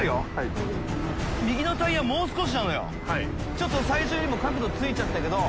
ちょっと最初よりも角度付いちゃったけど。